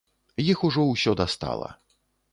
Іх ужо ўсё дастала.